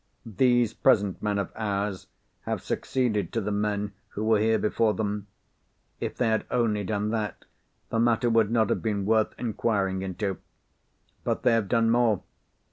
These present men of ours have succeeded to the men who were here before them. If they had only done that, the matter would not have been worth inquiring into. But they have done more.